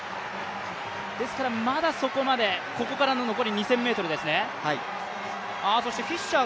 ですからまだそこまで、ここからの残り２０００ｍですね。